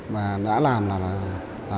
mà đã làm là